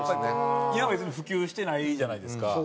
今も別に普及してないじゃないですか。